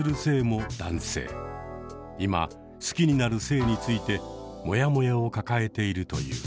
今好きになる性についてモヤモヤを抱えているという。